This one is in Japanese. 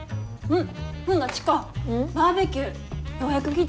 うん。